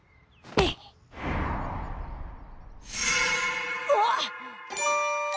うわっ！